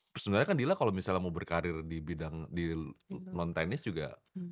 sebenernya kan dila kalau misalnya mau berkarir di bidang non tenis juga